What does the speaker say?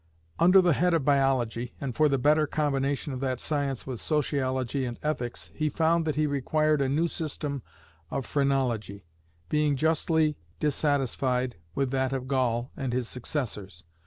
Under the head of Biology, and for the better combination of that science with Sociology and Ethics, he found that he required a new system of Phrenology, being justly dissatisfied with that of Gall and his successors.